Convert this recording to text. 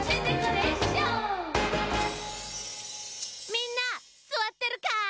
みんなすわってるかい！